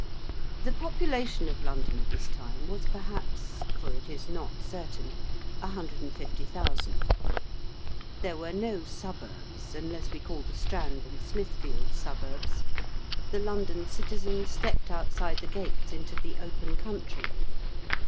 The population of London at this time was perhaps, for it is not certain, 150,000. There were no suburbs, unless we call the Strand and Smithfield suburbs; the London citizen stepped outside the gates into the open country.